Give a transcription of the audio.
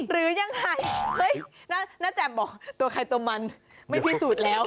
หรือยังไงณแจ่มบอกตัวใครตัวมันไม่พิสูจน์แล้ว